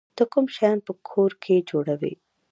ته کوم شیان په کور کې جوړوی؟